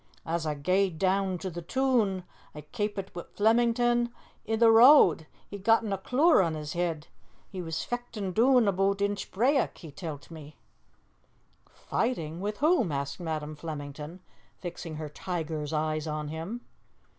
As a' gaed doon to the toon, a' kaipit* [*Met.] wi' Flemington i' the road. He'd gotten a clour on 's heed. He was fechtin' doon aboot Inchbrayock, he tell't me." "Fighting? With whom?" asked Madam Flemington, fixing her tiger's eyes on him.